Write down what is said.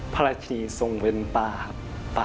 พระราชินีทรงเป็นปลา